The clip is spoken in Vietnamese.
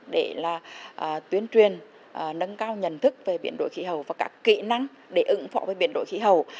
để là tuyên truyền nâng cao nhận thức về biến đổi khí hậu và các kỹ năng để ứng phó với biến đổi khí hậu